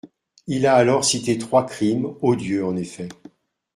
» Il a alors cité trois crimes, odieux en effet.